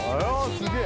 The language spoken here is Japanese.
すげえ。